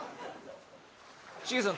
シゲさん